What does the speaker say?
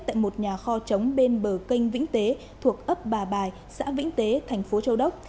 tại một nhà kho trống bên bờ canh vĩnh tế thuộc ấp bà bài xã vĩnh tế thành phố châu đốc